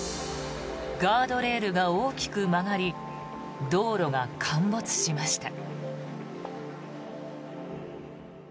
ガードレールが大きく曲がり道路が陥没しました。